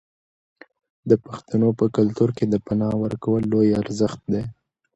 د پښتنو په کلتور کې د پنا ورکول لوی ارزښت دی.